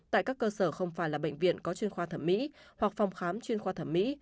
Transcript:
tại các cơ sở không phải là bệnh viện có chuyên khoa thẩm mỹ hoặc phòng khám chuyên khoa thẩm mỹ